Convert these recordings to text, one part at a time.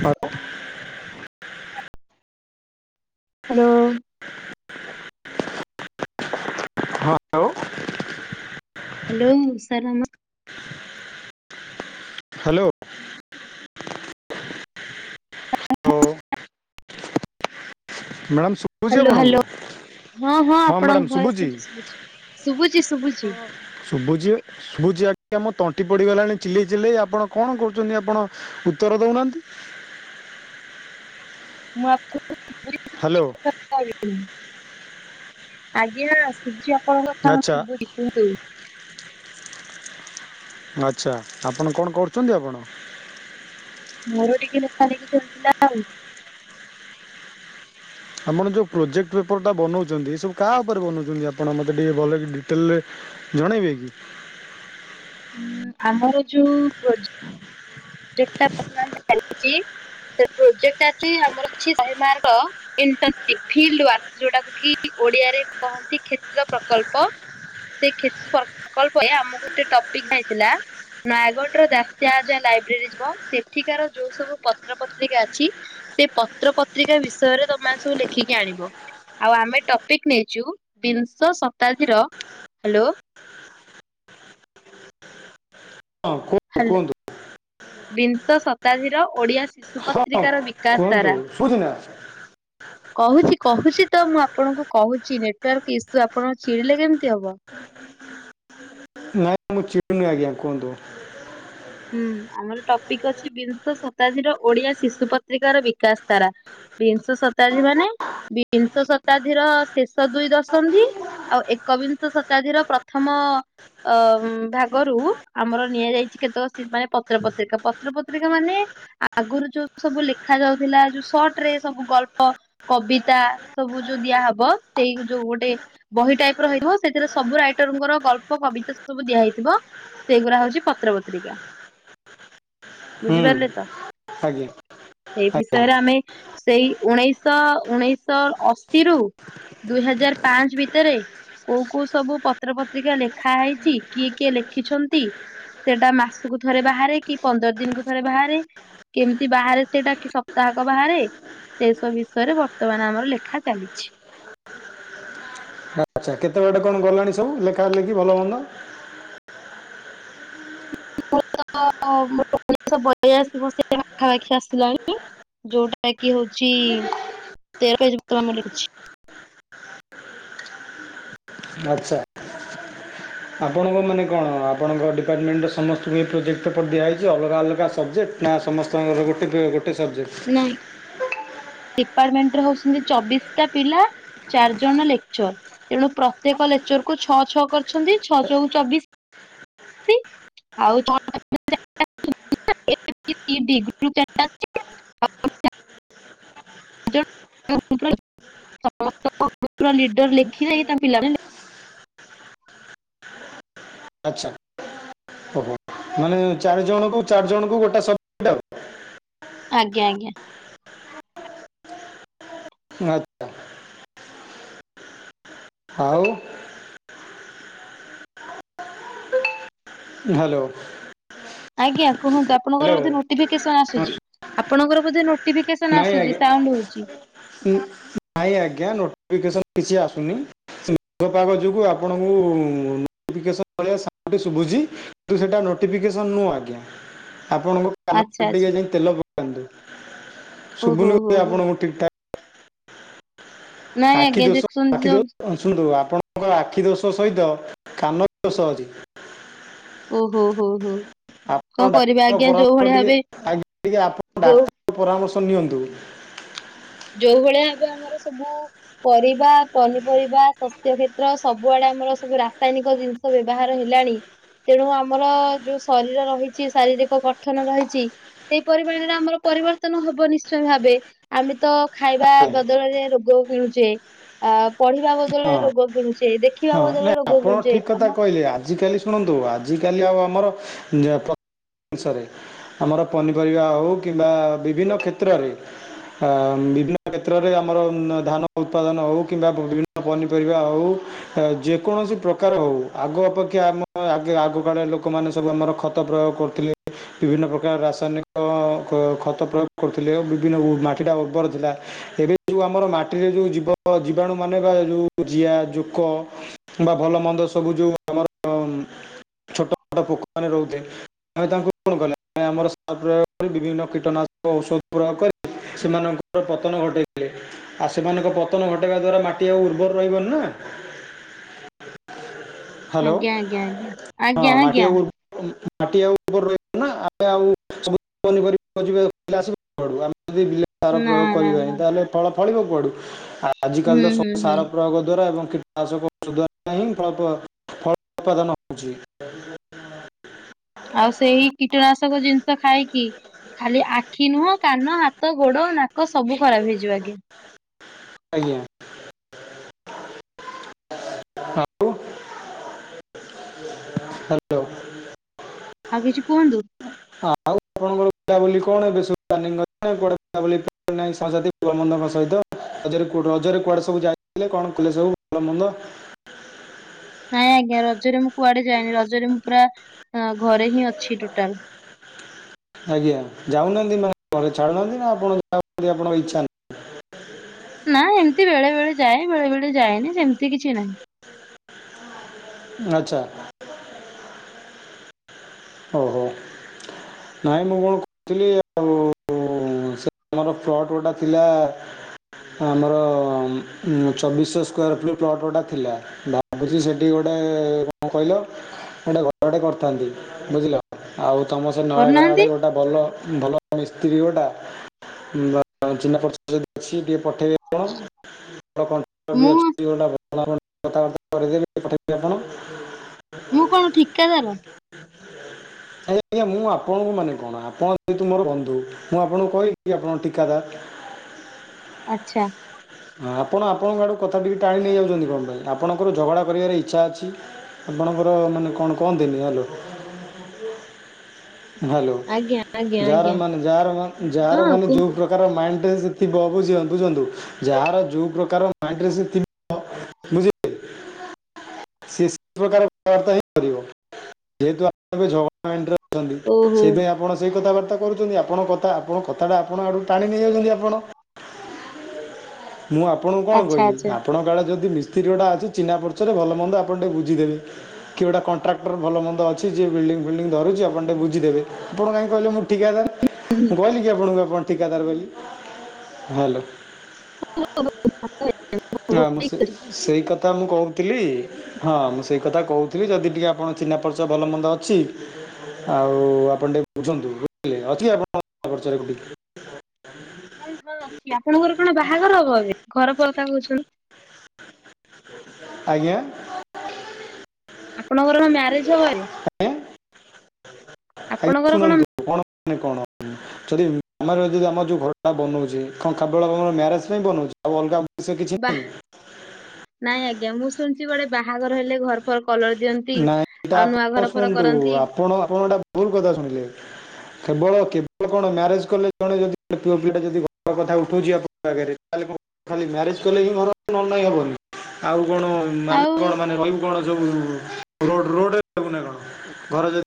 ହବ [unintelligible] ହାଲୋ। ହଁ hello. [unintelligible] Hello sir ନମସ୍କାର। ହ୍ୟାଲୋ। ମ୍ୟାଡ଼ାମ ସୁ। ହ୍ୟାଲୋ, ହ୍ୟାଲୋ ହଁ, ହଁ ଆପଣଙ୍କ ଭୟସେ ଶୁଭୁଛି, ଶୁଭୁଛି, ଶୁଭୁଛି। ଶୁଭୁଜି ଶୁଭୁଜି ଆଜ୍ଞା ମୋ ତଣ୍ଟି ପଡିଗଲାଣି ଚିଲେଇ, ଚିଲେଇ ଆପଣ କ'ଣ କରୁଛନ୍ତି ଆପଣ। ଉତ୍ତର ଦଉନାହାନ୍ତି। ମୁଁ ଆପ। ହ୍ୟାଲୋ। ଆଜ୍ଞା ସୁଚି ଆପଣଙ୍କ କଥା ଆଚ୍ଛା ଶୁଭୁଚି କୁହନ୍ତୁ। ଆଚ୍ଛା ଆପଣ କ'ଣ କରୁଛନ୍ତି ଆପଣ। ମୋର ଟିକେ ନେଖା, ନେଖୀ ଚଳିଲା ଆଉ। ଆମର ଯୋଉ ପ୍ରୋଜେକ୍ଟ ପେପର ଟା ବନଉଚନ୍ତି ଏ ସବୁ କାହା ଉପରେ ବନଉଚନ୍ତି ଆପଣ ମତେ ଟିକେ ଭଲକି ଡିଟେଲରେ ଯଣେଇ ବେକି ହଁ ଆମର ଯୋଉ ପ୍ରୋଜେ ଠିକ ଠାକ ପ୍ରଫମାନ୍ସ ଚାଲିଛି ସେ ପ୍ରୋଜେକ୍ଟ ଅଛି ଆମର ଅଛି ଶହେ ମାର୍କ ଇଟନ୍ ସିପ ଫଲଡ୍ ୱାର୍ ଯୋଉଟାକୁ କି ଓଡିଆରେ କହନ୍ତି କ୍ଷେତ୍ର ପ୍ରକଳ୍ପ। ସେ କ୍ଷେତ୍ର ପ୍ରକଳ୍ପ ହିଁ ଆମକୁ ଗୋଟେ ଟପିକ ଆଇଥିଲା। ନୟାଗଡ଼ ର ଦାସିଆ ଅଜା ଲାଇବ୍ରେରୀ ଯିବ ସେଠିକାର ଯୋଉ ସବୁ ପତ୍ର ପତ୍ରିକା ଅଛି ସେ ପତ୍ର ପତ୍ରିକା ବିଷୟରେ ତମେ ମାନେ ସବୁ ଲେଖିକି ଆଣିବ। ଆଉ ଆମେ ଟପିକ ନେଇଛୁ ବିଂଶ ଶତାବ୍ଦୀର ହ୍ୟାଲୋ। ହଁ କୁହନ୍ତୁ ହ୍ୟାଲୋ କୁହନ୍ତୁ ବିଂଶ ଶତାଧିର ଓଡିଆ ଶିଶୁ ହଁ ପତ୍ରିକାର ବିକାଶ କୁହନ୍ତୁ ଧାରା ଶୁଭୁଚିନା। କହୁଛି, କହୁଛି ତ ମୁଁ ଆପଣଙ୍କୁ କହୁଛି ନେଟୱାର୍କ ଇସ୍ୟୁ ଆପଣଙ୍କୁ ଛିଡିଲେ କେମିତି ହବ। ନାଇଁ ମୁଁ ଚିଡୁନି ଆଜ୍ଞା କୁହନ୍ତୁ। ହୁଁ ଆମର ଟପିକ ଅଛି ବିଂଶ ଶତା୍ଦୀ ର ଓଡିଆ ଶିଶୁ ପତ୍ରିକାର ବିକାଶ ତାରା। ବିଂଶ ଶତାବ୍ଦୀ ମାନେ ବିଂଶ ଶତାବ୍ଦୀର ଶେଷ ଦୁଇ ଦଶନ୍ଧି ଆଉ ଏକବିଂଶ ଶତାବ୍ଦୀର ପ୍ରଥମ ଅ ଭାଗରୁ ଆମର ନିଆଯାଇଛି କେତେକ ମାନେ ପତ୍ର ପତ୍ରିକା ପତ୍ର ପତ୍ରିକା ମାନେ? ଆଗୁରୁ ଯୋଉ ସବୁ ଲେଖା ଯାଉଥିଲା ଯୋଉ ସଟରେ ସବୁ ଗଳ୍ପ କବିତା ସବୁ ଯୋଉ ଦିଆ ହବ ସେଇ ଯୋଉ ଗୋଟେ ବହି ଟାଇପ ର ହେଇଥିବ ସେଥିରେ ସବୁ ରାଇଟରଙ୍କର ଗଳ୍ପ କବିତା ସବୁ ଦିଆହେଇଥିବ। ସେଇଗୁରା ହଉଛି ପତ୍ର ପତ୍ରିକା ହୁଁ ବୁଝିପାରିଲେ ତ। ଆଜ୍ଞା ସେଇ ଆଜ୍ଞା ବିଷୟରେ ଆମେ ସେଇ ଉଣେଇଶଶହ, ଉଣେଇଶଶହ ଅଶିରୁୁ ଦୁଇ ହଜାର ପାଞ୍ଚ ଭିତରେ କୋଉ, କୋଉ ସବୁ ପତ୍ର ପତ୍ରିକା ଲେଖା ହେଇଛି କିଏ କିଏ ଲେଖିଛନ୍ତି। ସେଟା ମାସକୁ ଥରେ ବାହାରେ କି ପନ୍ଦର ଦିନକୁ ଥରେ ବାହାରେ। କେମିତି ବାହାରେ ସେଇଟା କି ସପ୍ତାହକ ବାହାରେ। ସେ ସବୁ ବିଷୟରେ ବର୍ତ୍ତମାନ ଆମର ଲେଖା ଚାଲିଛି। ଆଚ୍ଛା କେତେବାଟ କଣ ଗଲାଣି ସବୁ ଲେଖା ଲେଖି ଭଲ ମନ୍ଦ। ତ ମୋ ବ [unintelligible] ଉଣେଇଶହ ବୟାଶି ମସିହା ପାଖା ପାାଖି ଆସିଲାଣି। ଯୋଉଟା କି ହଉଛି ତେର ଯୁକ୍ତ ଲେଖିଛି। ଆଚ୍ଛା। ଆପଣଙ୍କ ମାନେ କଣ ଆପଣଙ୍କ ଡିପାର୍ଟମେଣ୍ଟର ସମସ୍ତଙ୍କୁ ଏ ପ୍ରୋଜେକ୍ଟ ଉପ ଦିଆଯାଇଛି ଅଲଗା ଅଲଗା ସବଜେକ୍ଟ। ନା ସମସ୍ତଙ୍କର ଗୋଟେ, ଗୋଟେ ସବଜେକ୍ଟ। ନାଇଁ ଡିପାର୍ଟମେଣ୍ଟରେ ହଉଛନ୍ତି ଚବିଶ ଟା ପିଲା ଚାର ଜଣ ଲେକ୍ଚର। ତେଣୁ ପ୍ରତ୍ୟେକ ଲେକ୍ଚର କୁ ଛଅ, ଛଅ କରିଛନ୍ତି ଛଅ ଚଉ ଚବିଶ। ଆଉ [unintelligible] [unintelligible] [inaudible] [unintelligible] [unintelligible] ସମସ୍ତଙ୍କ ଲିଡର ଲେଖିବେ ତା ପିଲାମାନେ ଆଚ୍ଛା ଓହ ମାନେ ଚାରି ଜଣଙ୍କ ଚାରି ଜଣଙ୍କ ଗୋଟେ ସବ [unintelligible] ଆଜ୍ଞା ଆଜ୍ଞା। [unintelligible] ଆଉ। ହ୍ୟାଲୋ। ଆଜ୍ଞା କୁହନ୍ତୁ, ଆପଣଙ୍କର ହ୍ୟାଲୋ ବୋଧେ ନୋଟିଫିକେସନ ଆସୁଛି। ଆପଣଙ୍କର ବୋଧେ, ନୋଟିଫିକେସ ନାଇଁ ଆସୁଛି ଆଜ୍ଞା ସାଉଣ୍ଡ ହଉଛି। ନାଇଁ ଆଜ୍ଞା ନୋଟିଫିକେସନ୍ କିଛି ଆସୁନି। ସେଇ ମେଘ ପାଗ ଯୋଗୁ ଆପଣଙ୍କୁ ନୋଟିଫିକେସନ ଭଳିଆ ସାଉଣ୍ଡ ଶୁଭୁଛି। କିନ୍ତୁ ସେଇଟା ନୋଟିଫିକେସନ୍ ନୁହଁ ଆଜ୍ଞା, ଆପଣଙ୍କ କାନ ଆଚ୍ଛା ଫାଟି ଆଚ୍ଛା ଯାଇଛି ତେଲ ପକାନ୍ତୁ। ଓହୋ ଶୁଭୁନି ହୋ ବୋଧେ ହୋ। ଆପଣଙ୍କୁ ଠିକ୍ ଠାକ୍। ନାଇଁ ଆଖି ଆଜ୍ଞା ଦୋଷ ଦେଖୁଛନ୍ତି ଆଖି ଦୋଷ, ଶୁଣନ୍ତୁ ଆପଣଙ୍କର ଆଖି ଦୋଷ ସହିତ କାନ ଦୋଷ ଅଛି। ଓହୋ ହୋ ହୋ। ଆପଣ କଣ କରିବା ଡାକ୍ତ ଆଜ୍ଞା ଯୋଉ ପରାମ ଭଳି ଟିକେ ଭାବେ ଆଜ୍ଞା ଟିକେ ଆପଣ ଯୋଉ ଡାକ୍ତରଙ୍କ ପରାମର୍ଶ ନିଅନ୍ତୁ? ଯୋଉ ଭଳିଆ ଆଜି ଆମର ସବୁ, ପରିବା ପନିପରିବା ସ୍ୱାସ୍ଥ୍ୟ କ୍ଷେତ୍ର ସବୁଆଡେ ଆମର ସବୁ ରାସାୟନିକ ଜିନିଷ। ବ୍ୟବହାର ହେଲାଣି, ତେଣୁ ଆମର ଯୋଉ ଶରୀର ରହିଛି ଶାରୀରିକ ଗଠନ ରହିଛି, ସେଇ ପରିମାଣରେ ଆମର ପରିବର୍ତ୍ତନ ହବ ନିଶ୍ଚୟ ଭାବେ। ଆମେ, ତ ଖାଇବା ହଁ ବଦଳରେ ରୋଗ କିଣୁଛେ? ଆ ପଢିବା ବଦଳରେ ରୋଗ କିଣୁଛେ। ଦେଖି, ହଁ ନାଇଁ ଆପଣ ଠିକ କଥା କହିଲେ। ଆଜିିକାଲି ଶୁଣନ୍ତୁ ଆଜି କାଲି ଆଉ ଆମର, ଜିନଷରେ ଆମର ପନିପରିବା ହେଉ, କିମ୍ବା ବିଭିନ୍ନ କ୍ଷେତ୍ରରେ ଅ ବିଭିନ୍ନ କ୍ଷେତ୍ରରେ, ଆମର ଧାନ ଉତ୍ପାଦନ ହଉ କିମ୍ବା ବିଭିନ୍ନ ପନିପରିବା ହଉ, ଯେକୌଣସି ପ୍ରକାର ହେଉ। ଆଗ ଅପେକ୍ଷା ଆମ ଆଗେ ଆଗକାଳ ଲୋକମାନେ ସବୁ ଆମର ଖ, ପ୍ରୟୋଗ କରୁଥିଲେ। ବିଭିନ୍ନ ପ୍ରକାର ରାସାୟନିକ ଖତ ପ୍ରୟୋଗ କରୁଥିଲେ, ବିଭିନ୍ନ ମାଟିଟା ଉର୍ବର ଥିଲା। ଏବେ ଯେଉଁ ଆମର ମାଟିରେ, ଯେଉଁ ଜୀବ ଜୀବାଣୁମାନେ ବା ଯେଉଁ ଜିଆ ଜୋକ, ବା ଭଲ ମନ୍ଦ ସବୁ ଯୋଉ ଆମର ଛୋଟ ଛୋଟ ପୋକ ମାନେ ରହୁଥେ ଆମେ ତାଙ୍କୁ କଣ କଲେ, ଆ ଆମର ସାର ପ୍ରୟୋ ଗ କରି ବିଭିନ୍ନ କୀଟନାଶକ ଔଷଧ ପ୍ରୟୋଗ କରି, ସେମାନଙ୍କର ପତନ ଘଟେଇଥିଲେ। ଆଉ ସେମାନଙ୍କ ପତନ ଘଟେଇବା ଦ୍ଵାରା, ମାଟି ଆଉ ଉର୍ବର ରହିବନି ନା? ହ୍ୟାଲୋ ଆଜ୍ଞା ଆଜ୍ଞା ଆଜ୍ଞା ହଁ ଆଜ୍ଞା ଆଜ୍ଞା ମାଟିଆଉ, ମାଟି ଆଉ ଉପରେ ରହିବ ନା ଆ ଆଉ ପନିପରିବା ଆସିବ କୁଆଡୁ, ଆମେ ଯଦି ବିଲ ସାର ନା ପ୍ରୟୋଗ ନା ନା କରିବାନି ତାହେଲେ। ଫଳ ଫଳିବ କୁଆଡୁ, ହୁଁ ଆଜିିକାଲି ତ ହୁଁ ସବୁ ହୁଁ। ସାର ପ୍ରୋଗ ଦ୍ଵାରା ଏବଂ କୀଟ ନାଶକ [unintelligible] ହଁ ଫଳ ଉତ୍ପାଦନ ହଉଛି। ଆଉ ସେଇ କୀଟନାଶକ ଜିନିଷ ଖାଇକି, ଖାଲି ଆଖି ନୁହଁ କାନ ହା ତ, ଗୋଡ ନାକ ସବୁ ଖରାପ ହେଇଯିବ ଆଜ୍ଞା। ଆଜ୍ଞା। ହାଲୋ ଆଉ କିଛି କୁହନ୍ତୁ। ହଁ ଆଉ ଆପଣଙ୍କର ବୁଲାବୁଲି କଣ ଏବେ ସବୁ ପ୍ଲାନିଙ୍ଗ୍ ଅଛି। କୁଆଡେ ବୁଲାବୁଲି [unintelligible] ଭଳମନ୍ଦଙ୍କ ସହିତ, ରଜରେ କୁଆଡେ ସବୁ ଯାଇଥିଲେ କଣ କଲେ ସବୁ ଭଳମନ୍ଦ। ନାଇଁ ଆଜ୍ଞା ରଜରେ ମୁଁ କୁଆଡେ ଯାଏନି, ରଜରେ ମୁଁ ପୁରା ଘରେ ହିଁ ଅଛି ଟୋଟାଲ। ଆଜ୍ଞା, ଯାଉନାହାନ୍ତି ମାନେ ଘରେ ଛାଡୁନାହାନ୍ତି ନା ଆପଣ ଯିବାକୁ ଆପଣଙ୍କର ଇଛା ନାହିଁ? ନା ଏମିତି ବେଳେ ବେଳେ ଯାଏ, ବେଳେ ବେଳେ ଯାଏନି ସେମିତି କିଛି ନାହିଁ। ଆଚ୍ଛା। ଓହୋ, ନାଇଁ ମୁଁ କଣ କହୁଥିଲି ଆଉ ସେ ଆମର ଫ୍ଲଟ ଗୋଟେ ଥିଲା ଆମର ଚବିଶହ ସ୍କ୍ୟାର ଫିଟ୍ ପ୍ଲଟ୍ ଗୁଡା ଥିଲା। ଭାବୁଚି ସେଠି ଗୋଟେ କଣ କହିଲ ଗୋଟେ ଘରଟେ କରିଥାନ୍ତି। ବୁଝିଲ? ଆଉ ତମ ସେ ନୟାଗଡ଼ ଆଡେ କରୁନାହାନ୍ତି ଗୋଟେ ଭଲ ଭଲ ମିସ୍ତ୍ରୀ ଗୋଟା ବା ଚିହ୍ନା ପରିଚିତ ଯିଏ ଅଛି ଟିକେ ପଠେଇବେ। କଣ କଣ ମୁଁ [unintelligible] ମୁଁ କଣ ଠିକାଦାର? ଆଜ୍ଞା, ଆଜ୍ଞା, ମୁଁ ଆପଣଙ୍କୁ ମାନେ କଣ, ଆପଣ ଯେହେତୁ ମୋର ବନ୍ଧୁ ମୁଁ ଆପଣଙ୍କୁ କହିଲି ଆପଣ ଠିକାଦାର? ଆଛା। ହଁ ଆପଣ ଆପଣଙ୍କ ଆଡ଼କୁ କଥା ଟିକିେ ଟାଣି ନେଇଯାଉଛନ୍ତି କଣ ପାଇଁ? ଆପଣଙ୍କର ଝଗଡ଼ା କରିବାର ଇଚ୍ଛା ଅଛି? ଆପଣଙ୍କର ମାନେ କଣ କହନ୍ତିନି? ହାଲୋ। ହ୍ୟାଲୋ ଆଜ୍ଞା ଆଜ୍ଞା ଯାହାର ଆଜ୍ଞା ମାନେ, ଯାହାର ମା, ଯାହାର ହଁ ମାନେ ଯଉ କୁହନ୍ତୁ। ପ୍ର ଥୁୁ ଯାହାର ଯୋଉ ପ୍ର [unintelligible] ସିଏ ସେଇ ପ୍ରକାର କଥା ବାର୍ତ୍ତାହୀ କରିବ। ଯେହେତୁ ଝଗଡା ମାଇଣ୍ଡରେ ଅଛନ୍ତି। ଓହୋ ସେଇଥିାଇଁ ଆପଣ ସେ କଥାବାର୍ତ୍ତା କରୁଛନ୍ତି ଆପଣଙ୍କ କ ଆପଣଙ୍କ କଥାଟା ଆପଣ ଆଡ଼ୁ ଟାଣି ନେଇଯାଉଛନ୍ତି। ଆପଣ ମୁଁ ଆପଣଙ୍କୁ କଣ ଆଚ୍ଛା କହିଲି? ଆଚ୍ଛା। ଆପଣ ଆଡେ ଯଦି ମିସ୍ତ୍ରୀ ଗୁଡା ଅଛି ଚିହ୍ନା ପରିଚିତ ଭଲ ମନ୍ଦ ଆପଣ ଟିକେ ବୁଝିଦେବେ କି ଗୋଟା କଣ୍ଟାଟର ଭଲ ମନ୍ଦ ଅଛି ଯିଏ ବିଲ୍ଡିଙ୍ଗ ଫିଲ୍ଡିଙ୍ଗ ଧରୁଛି ଆପଣ ଟିକେ ବୁଝିଦେବେ। ଆପଣ କାହିଁକି କହିଲେ ମୁଁ ଠିକାଦାର? ମୁଁ କହିଲି କି ଆପଣଙ୍କୁ ଆପଣ ଠିକାଦାର ବୋଲି? ହ୍ୟାଲୋ। ଆ ମୁଁ ସେ ସେଇ କଥା ମୁଁ କହୁଥିଲି ହଁ, ମୁଁ ସେଇ କଥା କହୁଥିଲି ଯଦି ଟିକିେ ଆପଣ ଚିହ୍ନା ପରିଚିତ ଭଲ ମନ୍ଦ ଅଛି ଆଉ ଆପଣ ଟିକେ ବୁଝନ୍ତୁେ ଅ ଆପଣଙ୍କର୍ଚ [unintelligible] ଆପଣଙ୍କର କଣ ବାହାଘର ହବ ଏବେ, ଘର କଥା କହୁଛନ୍ତି? ଆଜ୍ଞା? ଆପଣଙ୍କର ମ୍ୟାରେଜ ହବ ଏବେ? ଆଜ୍ଞା ଆଜ୍ଞା ଆପଣଙ୍କର କଣ ଶୁଣନ୍ତୁ କଣ ମାନେ କଣ ଯଦି ଆମ ଯଦି ଆମର ଯୋଉ ଘରଟା ବନଉଛି କଣ ଖବବେ ମ୍ୟାରେଜ ପାଇଁ ବନଉଛି [unintelligible] ଆଉ ଅଲଗା ମଣିଷ କିଛି ବା ନାଇଁ। ନାଇଁ ଆଜ୍ଞା ମୁଁ ଶୁଣିଛି ଗୋଟେ ବାହାଘର ହେଲେ ଘର ଫର କଲର ଦିଅନ୍ତି। ନା ଏଇଟା ଆଉ ଆପଣ ନୂଆ ଘର ଫର ଶୁଣନ୍ତୁ କରନ୍ତି। ଆପଣ, ଆପଣ ଏଟା ଭୁଲ କଥା ଶୁଣିଲେ। କେବଳ କେବଳ କଣ ମ୍ୟାରେଜ କଲେ ଜଣେ ଯଦି ପୁଅ ପିଲାଟା ଯଦି ଘର କଥା ଉଠଉଚି ଆପଣଙ୍କ ଆଗରେ ତାହେଲେ କ ଖାଲି ମ୍ୟାରେଜ କଲେ ହିଁ ଘର ହବ ନହେଲେ ନାହିଁ ହବନି? ଆଉ କଣ ଆମେ ଆଉ କଣ ମାନେ ରହିବୁ କଣ ସବୁ ରୋଡ଼ ରୋଡରେ ରହିବୁନା କଣ? ଘର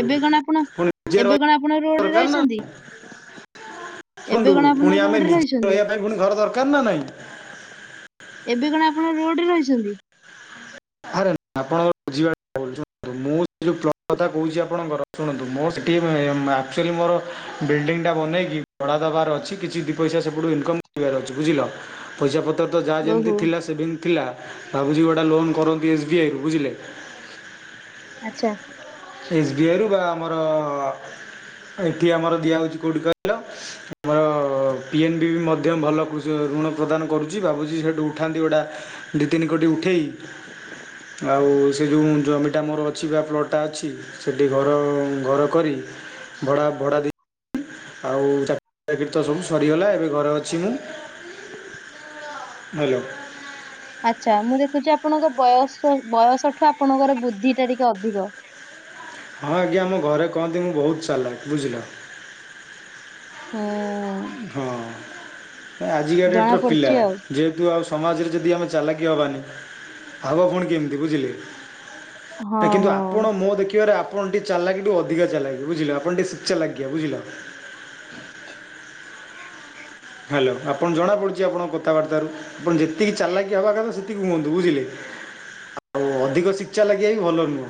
ଏବେ କଣ ଆପଣ ଏବେ କଣ ଆପଣ ରୋଡରେ ହକାରନା ରହିଛନ୍ତି [unintelligible] ଏବେ ଶୁଣନ୍ତୁ, କଣ ଆପଣ ଫୁଣି ଆମେ ରୋଡରେ ନିଜେ ରହିଛନ୍ତି? ରହିବା ପାଇଁ ଫୁଣି ଘର ଦରକାର ନା ନାହିଁ? ଏବେ କଣ ଆପଣ ରୋଡରେ ରହିଚନ୍ତି? ଆରେ ଆପଣ ଝିଅ ମୁଁ [inaudible] ଯେଉଁ ଫଲ୍ଟ କଥା କହୁଛି ଆପଣଙ୍କର ଶୁଣନ୍ତୁ। ମୋ ସିକ୍ମ ଆକ୍ଚୁଆଲି ମୋର ବିଲ୍ଡିଙ୍ଗଟା ବନେଇକି ଚଢ଼ା ଦେବାର ଅଛି। କିଛି ଦିଇ ପଇସା ସେପଟୁ ଇନକମ୍ କରିବାର ଅଛି ବୁଝିଲ। ପଇସା ପତ୍ର ତ ଯାହା ଯେମିତି ଓହୋ ଥିଲା ସେଭିଙ୍ଗ ଥିଲା। ଭାବୁଛି ଗୋଟା ଲୋନ୍ କରନ୍ତି ଏସ୍ ବି ଆଇରୁ ବୁଝିଲେ? ଆଚ୍ଛା। ଏସ୍ ବି ଆଇରୁୁ ବା ଆମର ଏଠି ଆମର ଦିଆହଉଛି କେଉଠି କହିଲ? ଆମର ପିଏନ ବି ବି ମଧ୍ୟ ଭଲ ଋଣ ପ୍ରଦାନ କରୁଛି। ଭାବୁଛି ସେଠୁ ଉଠାନ୍ତି ଗୋଟା ଦୁଇ ତିନି କୋଟି ଉଠେଇ। ଆଉ ସେ ଯେଉଁ ଜମିଟା ମୋର ଅଛି ବା ପ୍ଲଟ୍ଟା ଅଛି। ସେଠି ଘର ଘର କରି ଭଡା ଭଡା ଦେଇ ଆଉ ଚାକିରି ବାକିରି ତ ସବୁ ସରିଗଲା। ଏବେ ଘରେ ଅଛି ମୁଁ। ହ୍ୟାଲୋ। ଆଚ୍ଛା! ମୁଁ ଦେଖୁଛି ଆପଣଙ୍କ ବୟସ ବୟସ ଠୁ ଆପଣଙ୍କର ବୁଦ୍ଧି ଟା ଟିକେ ଅଧିକ। ହଁ ଆଜ୍ଞା ମୋ ଘରେ କହନ୍ତି ମୁଁ ବହୁତ ଚାଲାକ୍। ବୁଝିଲ? ହୁଁ। ହଁ ଆଜିକା ଡେଟ୍ ଜଣା ର ପିଲା। ପଡୁଛି ଆଉ ଯେହେତୁ ଆଉ ସମାଜରେ ଯଦି ଆମେ ଚାଲାକି ହେବାନି। ଆବ ପୁଣି କେମିତି ବୁଝିଲେ? ହଁ ନାଇଁ କିନ୍ତୁ ହଁ ଆପଣ ମୋ ଦେଖିବାର ଆପ ଆପଣ ଟିକେ ଚାଲାକି ଟିକେ ଅଧିକା ଚାଲାକି ବୁଝିଲ? ଆପଣ ଟିକେ ବେଶୀ ଚାଲାକିୟା ବୁଝିଲ? [unintelligible] ହ୍ୟାଲୋ। ଆପଣ ଜଣାପଡ଼ୁଛି ଆପଣଙ୍କ କଥାବାର୍ତ୍ତାରୁ ଆପଣ ଯେତିକି ଚାଲାକି ହେବା କଥା ସେ ଲୋକେ କୁହନ୍ତୁ ବୁଝିଲେ? ଆଉ ଅଧିକ ଶିକ୍ଷା ଲାଗିବା ବି ଭଲ ନୁହଁ।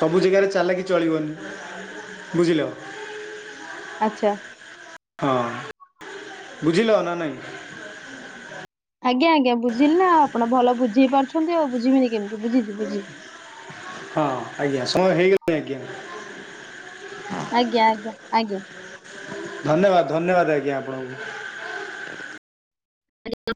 ସବୁ ଜାଗାରେ ଚାଲାକି ଚଳିବନି। ବୁଝିଲ। ଆଚ୍ଛା। ହଁ। ବୁଝିଲ ନା ନାଇଁ? ଆଜ୍ଞା ଆଜ୍ଞା ବୁଝିଲ ନା ଆପଣ ଭଲ ବୁଝେଇ ପାରୁଛନ୍ତି। ଆଉ ବୁଝିବିନି କେମିତି ବୁଝିଛି ବୁଝିଛି। ହଁ ଆଜ୍ଞା ସମୟ ହେଇଗଲାଣି ଆଜ୍ଞା। ଆଜ୍ଞା ଆଜ୍ଞା ଆଜ୍ଞା। ଧନ୍ୟବାଦ ଧନ୍ୟବାଦ ଆଜ୍ଞା ଆପଣଙ୍କୁ। [inaudible]